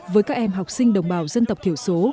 với các em học sinh đồng bào dân tộc thiểu số